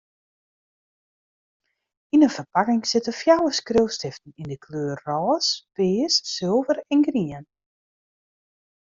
Yn in ferpakking sitte fjouwer skriuwstiften yn 'e kleuren rôs, pears, sulver en grien.